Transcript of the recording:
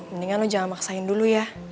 mendingan lu jangan maksain dulu ya